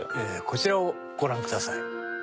こちらをご覧ください。